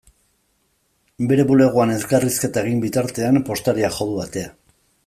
Bere bulegoan elkarrizketa egin bitartean, postariak jo du atea.